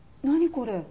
これ。